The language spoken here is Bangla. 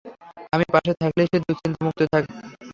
আমি পাশে থাকলেই সে দুশ্চিন্তা মুক্ত থাকে।